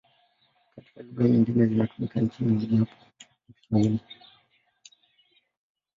Kati ya lugha nyingine zinazotumika nchini, mojawapo ni Kiswahili.